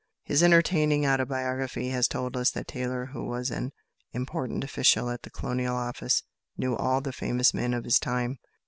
His entertaining "Autobiography" has told us that Taylor, who was an important official at the Colonial Office, knew all the famous men of his time.